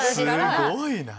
すごいなぁ。